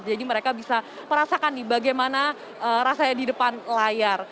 jadi mereka bisa merasakan bagaimana rasanya di depan layar